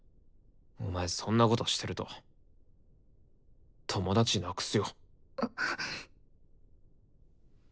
お前そんなことしてると友達なくすよ。